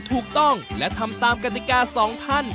ถูกต้องและทำตามกฎิกาสองท่าน